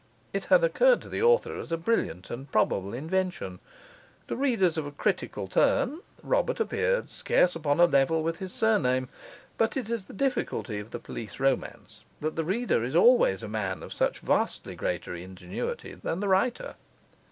It had occurred to the author as a brilliant and probable invention; to readers of a critical turn, Robert appeared scarce upon a level with his surname; but it is the difficulty of the police romance, that the reader is always a man of such vastly greater ingenuity than the writer.